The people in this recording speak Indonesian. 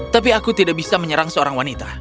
tapi aku tidak bisa menyerang seorang wanita